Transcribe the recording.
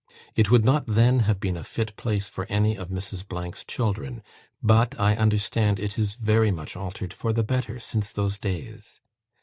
It would not THEN have been a fit place for any of Mrs. 's children; but I understand it is very much altered for the better since those days.